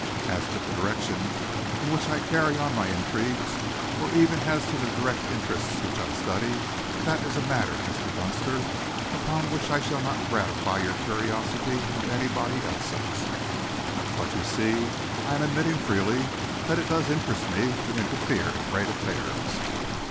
As to the direction in which I carry on my intrigues, or even as to the direct interests which I study, that is a matter, Mr. Dunster, upon which I shall not gratify your curiosity nor anybody else's. But, you see, I am admitting freely that it does interest me to interfere in great affairs."